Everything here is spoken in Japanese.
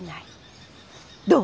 どう？